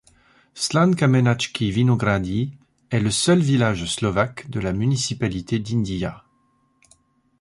Slankamenački Vinogradi est le seul village slovaque de la municipalité d'Inđija.